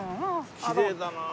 きれいだなあ。